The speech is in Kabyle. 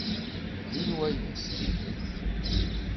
Bnin waya s tidet.